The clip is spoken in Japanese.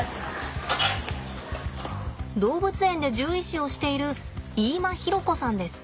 動物園で獣医師をしている飯間裕子さんです。